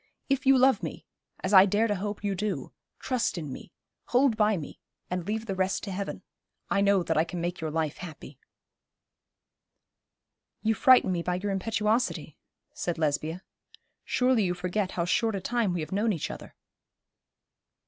If you love me as I dare to hope you do trust in me, hold by me, and leave the rest to Heaven. I know that I can make your life happy.' 'You frighten me by your impetuosity,' said Lesbia. 'Surely you forget how short a time we have known each other.'